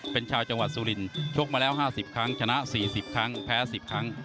เป็นชาวจังหวัดสุรินชกมาแล้ว๕๐ครั้งชนะ๔๐ครั้งแพ้๑๐ครั้ง